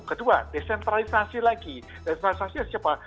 kedua desentralisasi lagi desentralisasi siapa